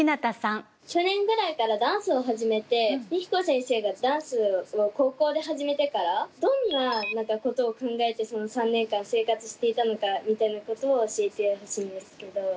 去年ぐらいからダンスを始めてＭＩＫＩＫＯ先生がダンスを高校で始めてからどんなことを考えてその３年間生活していたのかみたいなことを教えてほしいんですけど。